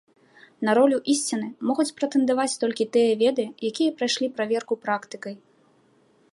На ролю ісціны могуць прэтэндаваць толькі тыя веды, якія прайшлі праверку практыкай.